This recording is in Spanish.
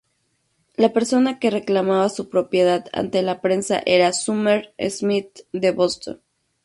La persona que reclamaba su propiedad ante la prensa era Sumner Smith de Boston.